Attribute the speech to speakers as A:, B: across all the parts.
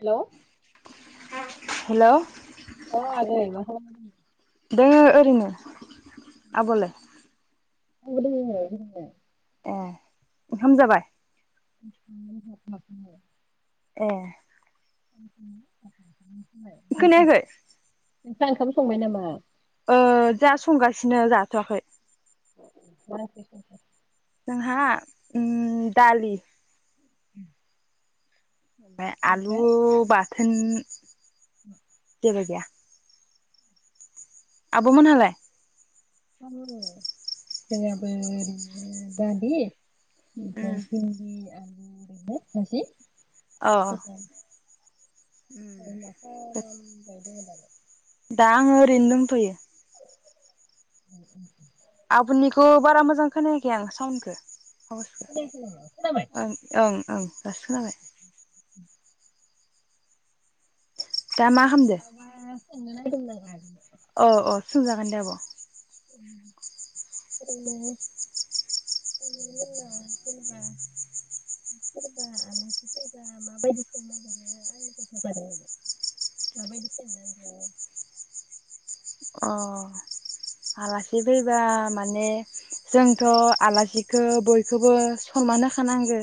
A: हेल'।
B: Hello.
A: औ।
B: दङो ओरैनो आब'वालाय?
A: [unintelligible]
B: ए ओंखाम जाबाय?
A: [unintelligible]
B: ए।
A: [inaudible]
B: खोनायाखै।
A: नोंस्रा ओंखाब संबाय नामा?
B: सिनो जाथ'वाखै।
A: मा ओंख्रि संखो?
B: जोंहा उम दालि।
A: [inaudible]
B: ओमफाय आलु
A: ओमफ्राय
B: बा धोन
A: [inaudible]
B: दोंना गैया? आब'मोनहालाय?
A: [unintelligible] जोंनियाबो ओरैनो दालि इमफ्राय
B: उम
A: भिन्दि आलु।
B: अ उम
A: [unintelligible] [unintelligible] [unintelligible]
B: दा आङो ओरैनो दंथ'यो। आबुनिखौ बारा मोजां खोनायाखै आं साउनखो? [unintelligible] ओं
A: खोनायाखै नामा खोनाबाय
B: ओं ओं दासो खोनाबाय। दा मा खामदो?
A: माबा सोंनो नायदोंमोन आं [unintelligible]
B: अ अ सोंजागोन दे आब'।
A: ओरैनो ओरैनो जेनेबा सोरबा आलासि फैबा माबायदि सोंनांगौ आंनो खोन्था दे माबादि सोंनांगौ?
B: अ आलासि फैबा माने जोंथ' आलासिखो बयखोबो सनमान होखानांगो।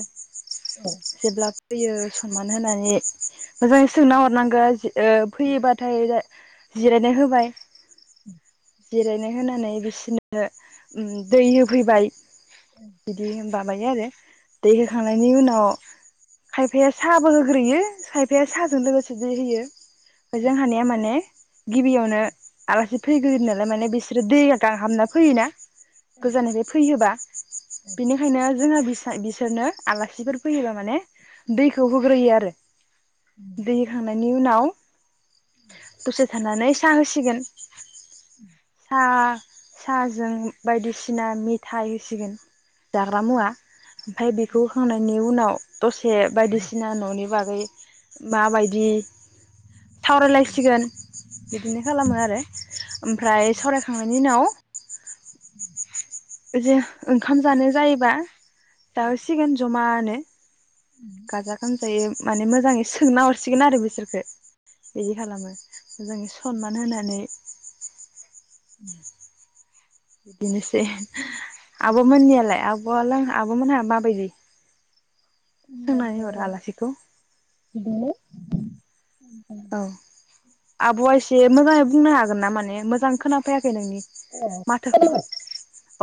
A: जोंनाबो
B: जेब्ला होयो सनमान होनानै मोजाङै सोंना हरनांगो ओ फैयोबाथाय जिरायनो होबाय।
A: उम
B: जिरायनो होनानै बिसोरनो दै होफैबाय। बिदि माबायो आरो दै होखांनायनि उनाव खायफाया साबो होग्रोयो खायफाया साजों लोगोसे दै होयो। ओमफाय जों हानिया माने गिबियावनो आलासि फैग्रोन नालाय माने बिसोरो दै गांहाबना फैयोना? गोजाननिफ्राय फैयोबा बेनिखायनो जोंहा बि सोरनो आलासिफोर फैयोबा माने दैखौ होग्रोयो आरो। दै होखांनायनि उनाव दसे थानानै सा होसिगोन। सा साहाजों बायदिसिना मिथाइ होसिगोन जाग्रा मुवा। आमफाय बेखौ होखांनायनि उनाव दसे बायदिसिना न'नि बागै माबायदि सावरायलायसिगोन बिदिनो खालामो आरो। ओमफ्राय सावरायखांनायनि उनाव जे ओंखाम जानो जायोबा जाहोसिगोन ज'मा नो। गाजा- गोमजायै माने मोजाङै सोंना हरसिगोन आरो बिसोरखौ बिदि खालामो। जों सनमान होनानै
A: उम।
B: बिदिनोसै। आब' मोननियालाय आब? बुङालां आब'मोनान आ मा बायदि? सोंनाय हराव आलासिखौ।
A: बिदिनो
B: औ आब'आ एसे मोजाङै बुंनो हागोन ना माने मोजां खोनाफैयाखै नोंनि?
A: अ
B: माथोखौ।
A: खोनाबाय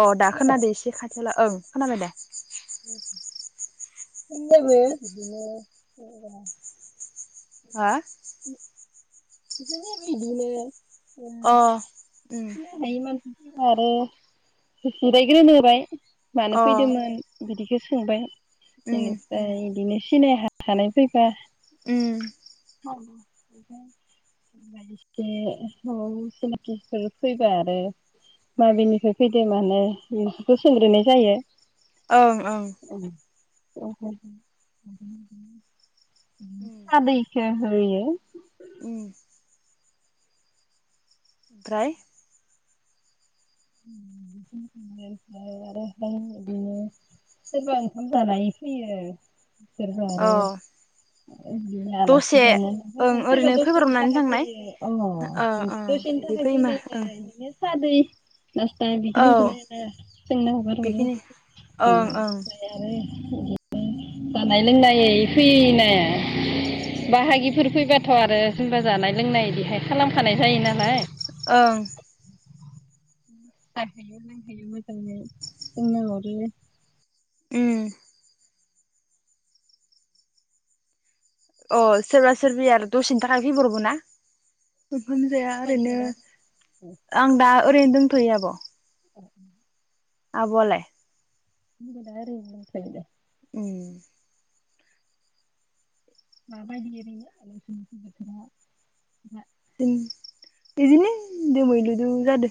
B: अ' दा खोनादों एसे खाथिआव ला, ओं खोनाबाय दे।
A: उम। [unintelligible]
B: हा?
A: बिदिनो-बिदिनो।
B: अ'
A: [unintelligible]
B: उम
A: [unintelligible] मानो
B: अ
A: फैदोंमोन? बिदि बेखौ सोंबाय?
B: उम
A: बेनिफ्राय इदिनो सिनाय हाखानाय फैबा
B: उम।
A: ायसेम [unintelligible] फैबा आरो माबेनिफ्राय फैदो मानो बेफोरखौ सोंग्रोनाय जायो।
B: ओं-ओं। उम
A: [inaudible] आदैखो [unintelligible]
B: उम ओमफ्राय
A: [inaudible] आरो बिदिनो सोरबा ओंखाम जानानै फैयो। सोरबा
B: अ
A: आरो आलासि
B: दसे
A: जानो
B: ओं
A: फैयो, सोरबा
B: ओरैनो
A: दसेनि
B: फैब्रबनानै
A: थाखाय
B: थांनाय
A: फैयो। अ'
B: ओं ओं
A: दसेनि
B: बिदि
A: थाखाय
B: फैयोमा
A: फैनायनो
B: ओं
A: बिदिनो सा-दै [unintelligible]
B: औ
A: जोंना हगार [unintelligible]
B: बेखिनि ओं ओं
A: ओमफ्राय आरो [unintelligible] जानाय लोंनाय फैयोना, बाहागिफोर फैबाथ' आरो जेनबा जानाय लोंनाय इदिहाय खालामखानाय जायो नालाय
B: ओं।
A: [inaudible]
B: उम अ सोरबा सोरबि आरो दसेनि थाखाय फैब्रबो ना? ओंखाम जाया
A: बायदि
B: ओरैनो
A: दा
B: आं दा ओरैनो दंथ'यो आब'।
A: [inaudible]
B: आब' आलाय?
A: [inaudible]
B: उम
A: माबायदि ओरैनो नोसिनिथिं बोथोरा [unintelligible]
B: [inaudible] बिदिनो दोमैलुलु जादो।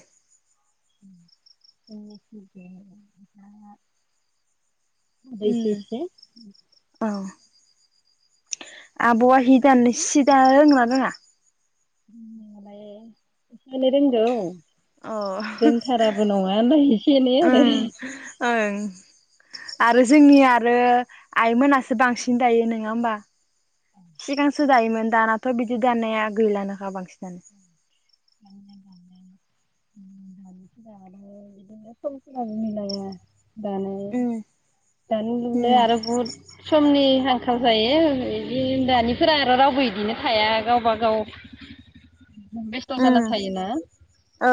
A: [inaudible]
B: उम औ
A: [unintelligible]
B: आब'आ हिदान सि दानो रोंगोना रोङा?
A: [inaudible] रोंगौ
B: अ
A: रोंथाराबो नङा नाथाय एसे एनै आरो
B: उम ओं आरो जोंनि आरो आइमोनासो बांसिन दायो नोङा होमबा सिगांसो दायोमोन दानाथ' बिदि दानाया गैलानोखा बांसिनानो।
A: [inaudible] दानाय
B: उम
A: दानो लुनाय
B: उम
A: आरो बहुद समनि आंखाल जायो इदि दानिफोरा आरो रावबो इदिनो थाया गावबा गाव [inaudible] जाना
B: उम
A: थायोना
B: औ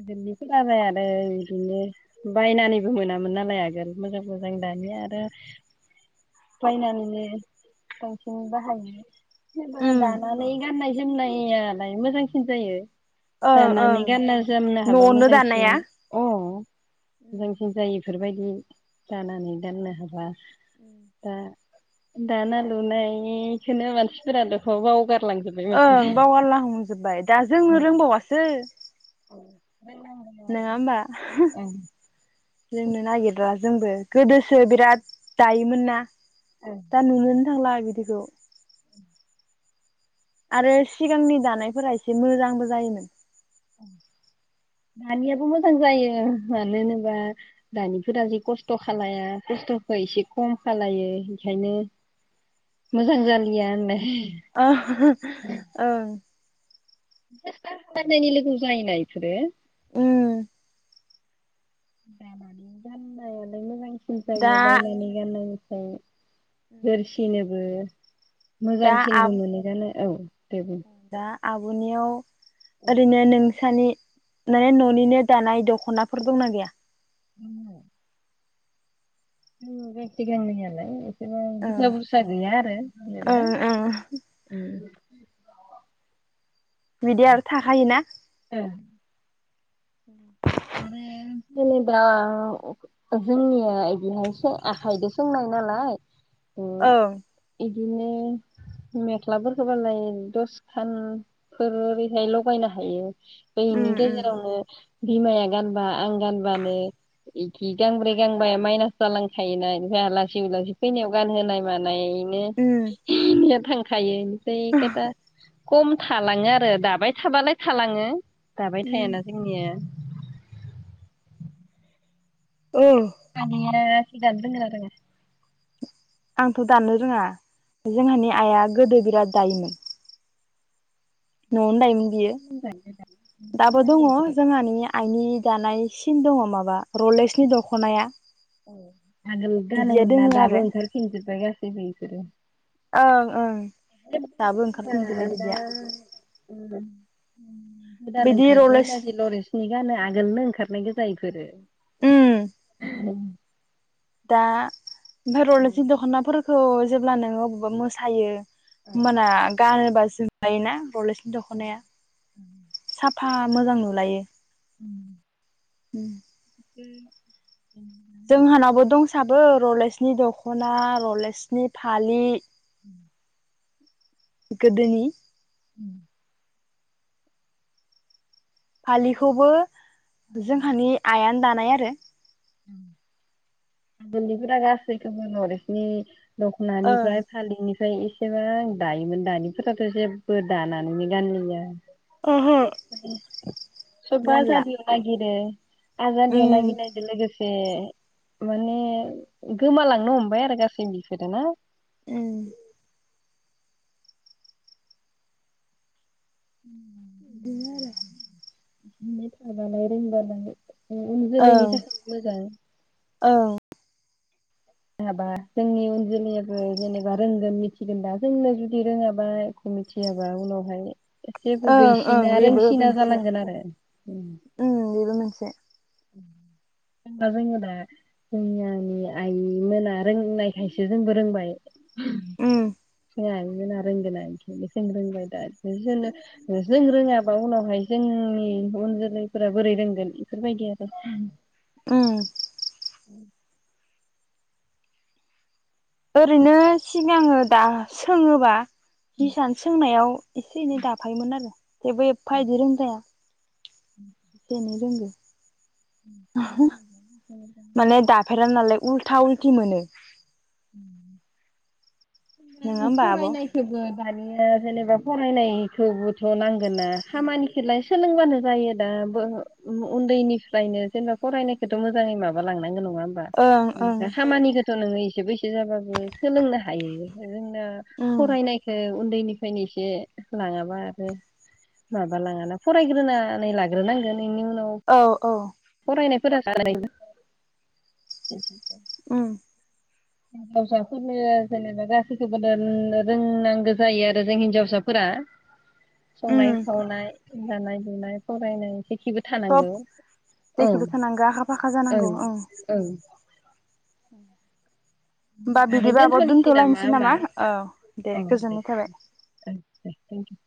A: आगोलनिफोरालाय आरो इदिनो बायनानैबो मोनामोन नालाय आगोल मोजां मोजां दानि आरो बायनानैनो बांसिन बाहायो। [inaudible]
B: उम
A: दानानैै गाननाय जोमनायालाय मोजांसिन जायो।
B: ओं
A: दानानै
B: ओं
A: गानना [unintelligible] हाबा
B: न'आवनो
A: मोजांसिन
B: दानाया
A: अ मोजांसिन जायो बेफोरबायदि दानानै दोननो हाबा दा दाना लुनायनिखौनो मानसिफोरा [unintelligible] बावगार
B: ओं बावगारला हांजोबबाय दा जोंनो
A: औ
B: रोंबावासो
A: रोंनांगौ आरो
B: नङा होमबा?
A: ओं
B: रोंनो नागिरला जोंबो गोदोसो बिराद दायोमोन ना
A: ओं
B: दा नुनो थांला बिदिखौ आरो सिगांनि दानायफोरा एसे मोजांबो जायोमोन
A: दानियाबो मोजां जायो मानो होनोबा दानिफोरा जि खस्थ' खालाया खस्थ'खौ एसे खम खालायो बेखायनो मोजां जालिया होनलाय
B: अ ओं
A: [unintelligible]
B: उम
A: दानानै गाननायानो मोजां सिन
B: दा
A: जायो बायनानै गाननायनि [unintelligible] होरसिनोबो
B: दा आ
A: मोजांसिनबो मोनो गाननो। औ दे बुं
B: दा आबो नियाव ओरनौ नों सानि ने न'निनो दानाय दख'नाफोर दंना गैया?
A: [inaudible] दङ गांसे गांनैयालाय ओ
B: ओं
A: बुरजा बुरजा गैया आरो जेनेबा
B: ओं ओं
A: ओम
B: बिदि आरो थाखायोना
A: ओं
B: [inaudible]
A: आरो जेनेबा जोंनिया इदिनो आखाइजों सोंनाय नालाय
B: ओं
A: दिनो मेख्लाफोरखौ बालाय दसखानफोर ओरैहाय लगायनो हायो।
B: उम
A: बेनि
B: उम
A: गेजेरावनो बिमाया गानबा आं गानबानो इखि गांब्रै गांबाया माइनास जालांखायोना ओमफ्राय आलासि उलासि फैनायाव गानहोनाय मानाय
B: उम
A: [unintelligible] थायो। [unintelligible] खम थालाङो आरो दाबाय थाबालाय थालाङो। दाबाय थायाना जोंनिया।
B: औ
A: [unintelligible] जि दानो रोंगोना रोंङा?
B: आंथ' दानो रोङा जोंहानि आइआ गोदो बिराद दायोमोन। न'आवनो दायोमोन यो
A: लोमजायो दासिम
B: दाबो दङ
A: नांलायबाय
B: जोंहानि आइनि दानाय सिन दङ माबा रलेक्सनि दख'नाया
A: औ आगोल गानो
B: बिदिया
A: मोनना
B: दोङो
A: दाबो
B: आरो
A: ओंखार फिनजोबबाय गासै बेफोरो
B: ओं ओं। दाबो ओंखारफिनजोबबाय बिदिया
A: [unintelligible] गोदान
B: बिदि
A: ओंखारदों
B: रलेक्स
A: दाजि लरेन्सनि गानो आगोलनो ओंखारनाय गो
B: उम
A: [unintelligible]
B: दा ओमफाय रलेक्स दखनाफोर खौ जेब्ला नोङो अब्बा मोसायो होमबाना गानोबासो जायोना [unintelligible] दख'नाया साब फा मोजां नुलायो।
A: उम
B: उम
A: उम
B: जोंहानावबो दंसाबो रलेेक्सनि दख'ना रलेेक्सनि फालि।
A: [inaudible]
B: गोदोनि
A: उम
B: फालिखौबो जोंहानि आइयानो दानाय [unintelligible]
A: [inaudible] गोदोनिफोरा गासैखौबो लरेक्सनि दख'नानिफ्राय फालिनि फ्राय एसेबां दायोमोन दानिफोराथ' जेबो दानानैनो गानलिया।
B: ओं
A: [inaudible] सब्बो
B: गानला
A: आजादि नागिरो। आजादियाव
B: उम
A: नागिरनायदो लोगोसे एसे माने गोमालांनो हमबाय आरो गासै बिफोरो ना?
B: उम
A: [inaudible]
B: बिनो आरो।
A: [unintelligible] इयुन जोलैनि
B: आरो
A: थाखायनो मोजां।
B: ओं
A: [unintelligible] बा जोंनि उन जोलैयाबो जेनेबा रोंगोन मिथिगोन दा जोंनो जुदि रोङाबा एख' मिथियाबा उनावहाय जेबो
B: ओं ओं
A: गैसिना
B: बेबो
A: रोंसिना
B: मोनसे
A: जालांगोन आरो।
B: से
A: [inaudible] जेनबा जोङो दा जोंनियानि आइ मोना रोंनायखायसो जोंबो रोंबाय। [unintelligible]
B: उम
A: मोना रोंगोना [unintelligible] जों रोंबाय दा [unintelligible] जों रोङाबा उनावहाय जोंनि उन जोलैफोरा बोरै रोंगोन इफोरबायदि आर [inaudible]
B: उम ओरैनो सिगाङो दा सोङोबा हिसान सोंनायाव एसे एनै दाफायोमोन आरो जेबो एफा इदि रोंद्राया। एसे एनै बुंदो माने दाफेरा नालाय
A: [unintelligible]
B: उल्था उलथि मोनो
A: अम
B: नङा होमबा आब'
A: फरायनायखौबो दायो अम ओ जेनेबा फरायनायखौबोथ नांगोना खामानिखोलाय सोलोंबानो जायो दा बो ओ उन्दैनिफ्रायनो जेनेबा फरायनायखौथ मोजाङै माबा लांनांगौ नङा। होबा
B: ओं ओं
A: खामानिखौथ' नोङो इ थेबैस जाबाबो सोलोंनो हायो। जोंना
B: उम
A: फरायनायखौ उन्दैनिफ्रायनो एसे लाङाबा आरो माबा लाङाना फरायग्रोनानै लाग्रोनांगोन।
B: औ औ
A: फोरा [unintelligible]
B: अम
A: हिनजावसाफोरनो जेनेबा गासैखौबो अम रोंनांगौ जायो आरो जों हिनजावसाफोरा। संनाय
B: उम
A: खावनाय दानाय लुनाय फरायनाय जेखिबो
B: सब
A: थानांगौ औ
B: जेखिबो थानांगौ आखा फाखा जानांगौ ओं। औ
A: आगै दोनथ'नोसै नामा हमबा अ दे
B: गोजोननाय थाबाय
A: ओम दे थेंकिउ।